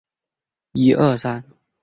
犯人还需要戴上竖长圆锥形帽子。